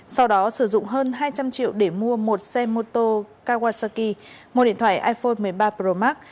sau đó sử dụng hơn hai trăm linh triệu để mua một xe mô tô kawasaki một điện thoại iphone một mươi ba pro max